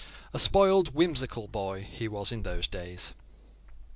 A spoiled, whimsical boy he was in those days.